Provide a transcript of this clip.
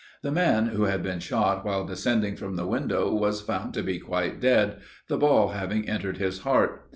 The man who had been shot while descending from the window was found to be quite dead, the ball having entered his heart.